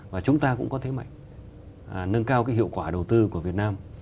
và chúng ta cũng có thế mạnh nâng cao cái hiệu quả đầu tư của việt nam